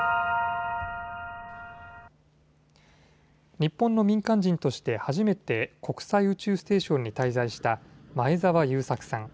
日本の民間人として初めて国際宇宙ステーションに滞在した前澤友作さん。